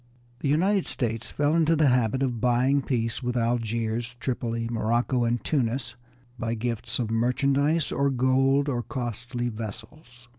The United States fell into the habit of buying peace with Algiers, Tripoli, Morocco, and Tunis by gifts of merchandise or gold or costly vessels.